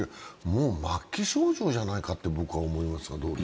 もう末期症状じゃないかと思いますが。